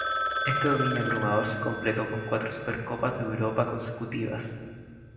Este dominio abrumador se completó con cuatro Supercopas de Europa consecutivas.